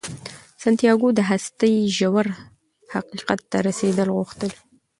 سانتیاګو د هستۍ ژور حقیقت ته رسیدل غوښتل.